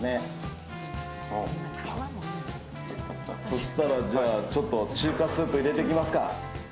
そうしたら、じゃあ中華スープ入れていきますか。